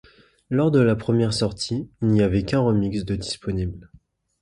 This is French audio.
Lors de la première sortie, il n'y avait qu'un remix de disponible.